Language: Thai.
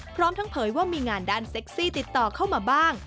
พร้อมทั้งเผยว่ามีงานด้านเซ็กซี่ติดต่อเข้ามาบ้าง